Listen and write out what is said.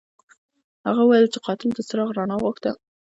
هغه وویل چې قاتل د څراغ رڼا غوښته.